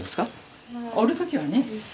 おる時はね。